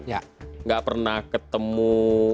nggak pernah ketemu